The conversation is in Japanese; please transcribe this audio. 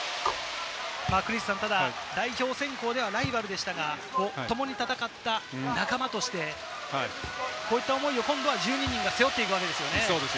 ただ代表選考ではライバルでしたが、共に戦った仲間として、こういった思いを今度は１２人が背負っていくわけですからね。